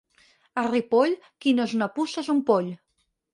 A Ripoll, qui no és una puça és un poll.